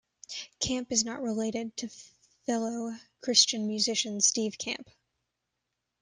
Camp is not related to fellow Christian musician Steve Camp.